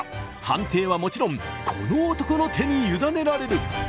判定はもちろんこの男の手に委ねられる。